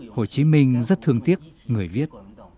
hồ chí minh rất thương tiếc người viết